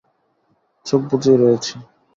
চোখ বুজেই রয়েছি।